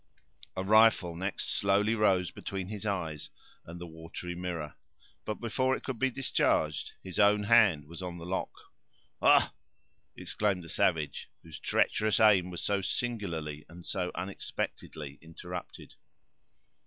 A rifle next slowly rose between his eyes and the watery mirror; but before it could be discharged his own hand was on the lock. "Hugh!" exclaimed the savage, whose treacherous aim was so singularly and so unexpectedly interrupted.